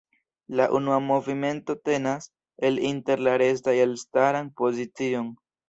La unua movimento tenas el inter la restaj elstaran pozicion.